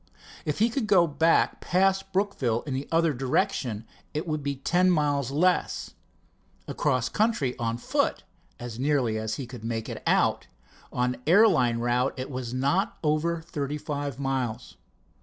If he could go back past Brookville in the other direction it would be ten miles less. Across country on foot, as nearly as he could make it out, on air line route it was not over thirty five miles.